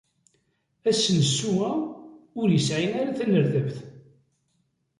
Asensu-a ur yesɛi ara tanerdabt.